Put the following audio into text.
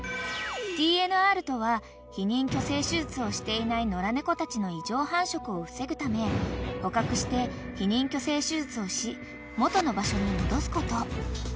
［ＴＮＲとは避妊去勢手術をしていない野良猫たちの異常繁殖を防ぐため捕獲して避妊去勢手術をし元の場所に戻すこと］